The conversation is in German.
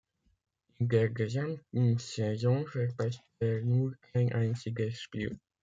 In der gesamten Saison verpasste er nur ein einziges Spiel.